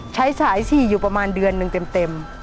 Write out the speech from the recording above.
ใช้สายฉี่อยู่ประมาณเดือนหนึ่งเต็ม